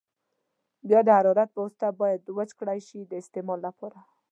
بیا د حرارت په واسطه باید وچ کړای شي د استعمال لپاره.